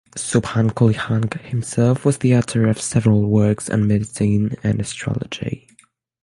Subhan Quli Khan himself was the author of several works on medicine and astrology.